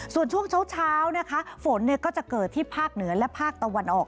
ส่วนช่วงเช้านะคะฝนก็จะเกิดที่ภาคเหนือและภาคตะวันออก